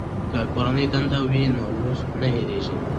که کورنۍ دنده وي نو لوست نه هېریږي.